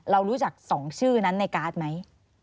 เรารู้จัก๒ชื่อนั้นในการ์ดไหม